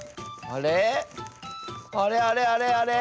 あれあれあれあれ？